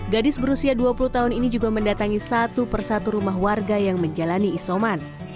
gadis berusia dua puluh tahun ini juga mendatangi satu persatu rumah warga yang menjalani isoman